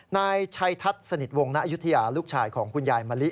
นายชัยทัศน์สนิทวงณอายุทยาลูกชายของคุณยายมะลิ